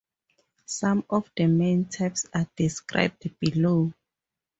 Some of the main types are described below.